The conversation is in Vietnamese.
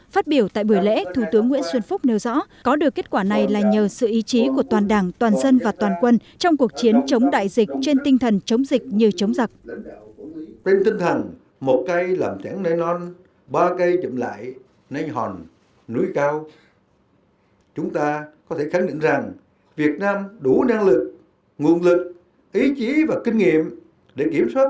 phát biểu tại buổi lễ thủ tướng nguyễn xuân phúc nêu rõ có được kết quả này là nhờ sự ý chí của toàn đảng toàn dân và toàn quân trong cuộc chiến chống đại dịch trên tinh thần chống dịch như chống giặc